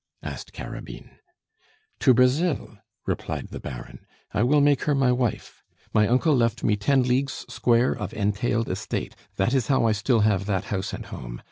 asked Carabine. "To Brazil," replied the Baron. "I will make her my wife. My uncle left me ten leagues square of entailed estate; that is how I still have that house and home.